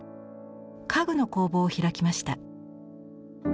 家具の工房を開きました。